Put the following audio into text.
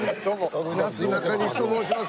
なすなかにしと申します。